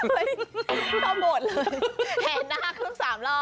เฮ่ยเขาบวชเลยแห่นหน้าคุณสามรอบ